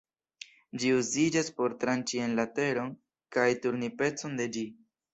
Ĝi uziĝas por tranĉi en la teron kaj turni pecon de ĝi.